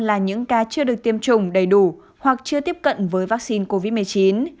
là những ca chưa được tiêm chủng đầy đủ hoặc chưa tiếp cận với vaccine covid một mươi chín